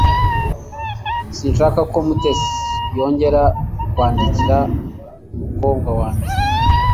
Sinshaka ko Mutesi yongera kwandikira umukobwa wanjye